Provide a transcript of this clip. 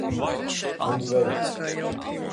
Mums veicas.